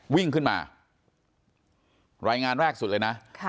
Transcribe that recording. วิ่งขึ้นมารายงานแรกสุดเลยนะ